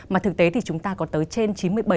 mà thực tế thì chúng ta có tới trên chín mươi bảy